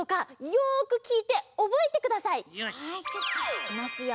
いきますよ！